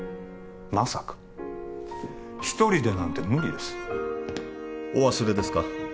まさか１人でなんて無理ですお忘れですか？